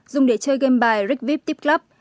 dùng để chơi game bài ric vip tip club